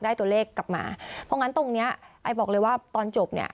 ได้ตัวเลขกลับมาเพราะฉะนั้นตรงนี้ไอ้บอกเลยว่าตอนจบ